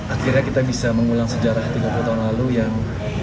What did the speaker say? akhirnya kita bisa mengulang sejarah tiga puluh tahun lalu yang